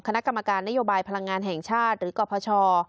คณะกรรมการนโยบายพลังงานแห่งชาติหรือกรพช